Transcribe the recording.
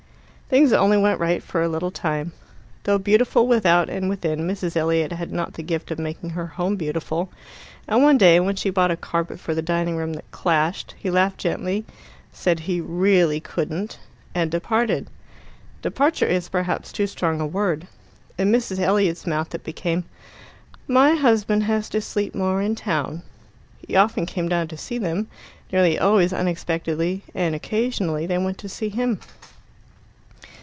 Things only went right for a little time. Though beautiful without and within, Mrs. Elliot had not the gift of making her home beautiful; and one day, when she bought a carpet for the dining room that clashed, he laughed gently, said he "really couldn't," and departed. Departure is perhaps too strong a word. In Mrs. Elliot's mouth it became, "My husband has to sleep more in town." He often came down to see them, nearly always unexpectedly, and occasionally they went to see him.